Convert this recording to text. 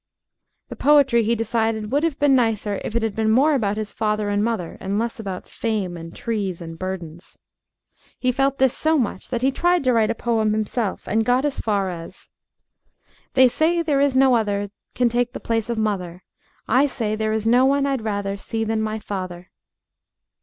The poetry, he decided, would have been nicer if it had been more about his father and mother and less about fame and trees and burdens. He felt this so much that he tried to write a poem himself, and got as far as "They say there is no other Can take the place of mother. I say there is no one I'd rather See than my father."